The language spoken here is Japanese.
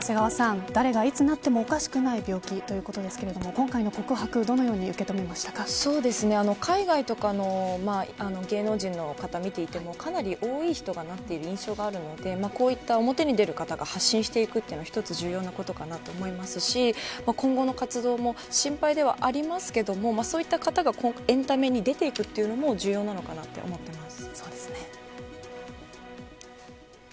今回の告白海外とかの芸能人の方を見ていてもかなり多い人がなっている印象があるのでこういった表に出る方が発信していくのは一つ重要なことかなと思いますし今後の活動も心配ではありますけれどもそういった方がエンタメに出ていくというのも重要なのかなと思っています。